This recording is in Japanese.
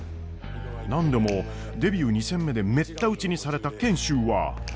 何でもデビュー２戦目でめった打ちにされた賢秀は。